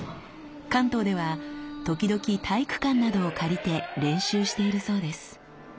関東では時々体育館などを借りて練習しているそうです。